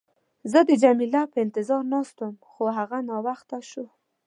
زه د جميله په انتظار ناست وم، خو هغه ناوخته شوه.